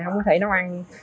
không có thể nấu ăn